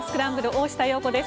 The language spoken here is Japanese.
大下容子です。